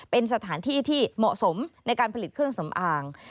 เป็นสถานที่ที่เหมาะสมในการผลิตเครื่องสำอาง